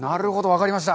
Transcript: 分かりました。